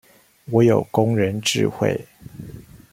我有工人智慧